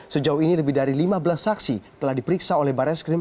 sejauh ini lebih dari lima belas saksi telah diperiksa oleh barreskrim